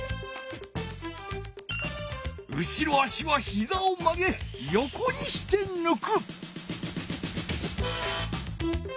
後ろ足はひざを曲げ横にしてぬく。